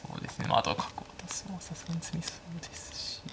あとは角を渡すのはさすがに詰みそうですし。